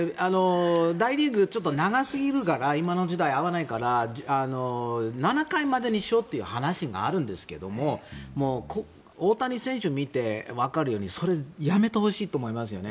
大リーグ長すぎるから今の時代合わないから７回までにしろという話があるんですが大谷選手を見てわかるようにそれはやめてほしいと思います。